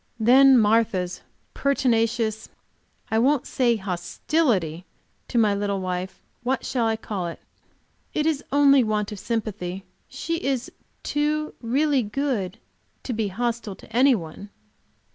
Then Martha's pertinacious I won't say hostility to my little wife what shall I call it?" "It is only want of sympathy. She is too really good to be hostile to any one.